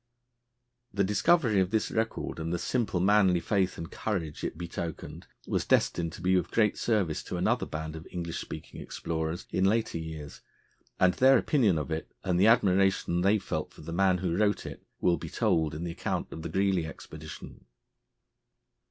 The discovery of this record, and the simple, manly faith and courage it betokened, was destined to be of great service to another band of English speaking explorers in later years, and their opinion of it, and the admiration they felt for the man who wrote it, will be told in the account of the Greely expedition.